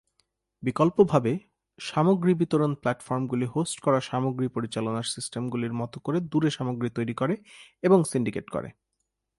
বিকল্পভাবে, সামগ্রী বিতরণ প্ল্যাটফর্মগুলি হোস্ট করা সামগ্রী পরিচালনার সিস্টেমগুলির মতো করে দূরে সামগ্রী তৈরি করে এবং সিন্ডিকেট করে।